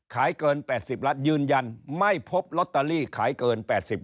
ขายเกินแปดสิบล้านยืนยันไม่พบล็อตเตอรี่ขายเกินแปดสิบ